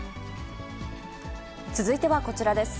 続いてはこちらです。